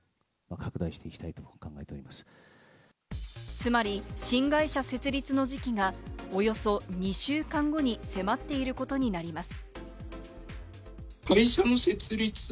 つまり新会社設立の時期が、およそ２週間後に迫っていることになります。